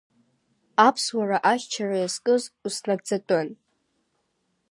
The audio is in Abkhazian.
Аԥсуара ахьчара иазкыз уснагӡатәын.